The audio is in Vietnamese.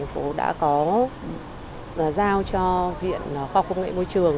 hồ đã có giao cho viện khoa công nghệ môi trường